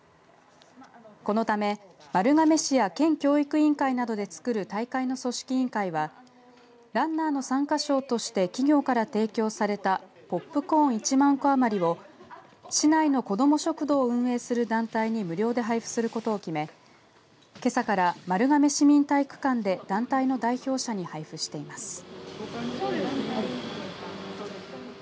このため丸亀市や県教育委員会などでつくる大会の組織委員会はランナーの参加賞として企業から提供されたポップコーン１万個余りを市内の子ども食堂を運営する団体に無料で配布することを決めけさから、丸亀市民体育館で団体の代表者に配布しています。